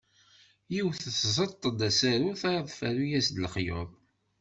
Yiwet tẓeṭṭ-d asaru, tayeḍ tferru-as-d lexyuḍ.